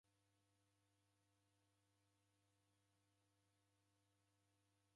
Sina hata ja ilanga!